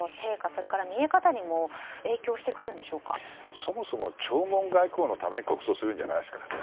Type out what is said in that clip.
それから見え方にもそもそも、弔問外交のために国葬するんじゃないですからね。